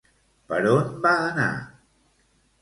Per on va anar?